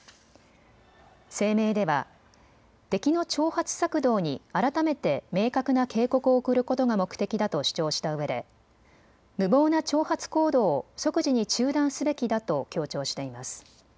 声明では敵の挑発策動に改めて明確な警告を送ることが目的だと主張したうえで無謀な挑発行動を即時に中断すべきだと強調しています。